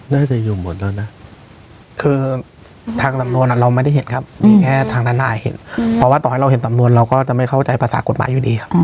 น่าจะอยู่หมดแล้วนะคือทางสำนวนเราไม่ได้เห็นครับมีแค่ทางด้านหน้าเห็นเพราะว่าต่อให้เราเห็นสำนวนเราก็จะไม่เข้าใจภาษากฎหมายอยู่ดีครับ